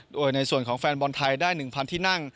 โดยในส่วนของแฟนบอลไทยได้๑๐๐ที่นั่ง